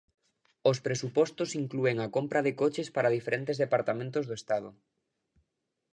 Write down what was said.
Os presupostos inclúen a compra de coches para diferentes departamentos do Estado.